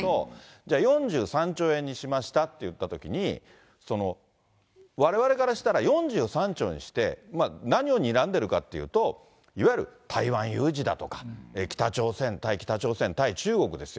じゃあ、４３兆円にしましたっていったときに、われわれからしたら、４３兆にして、何をにらんでいるかっていうと、いわゆる台湾有事だとか、北朝鮮、対北朝鮮、対中国ですよ。